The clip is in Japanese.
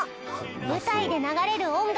舞台で流れる音楽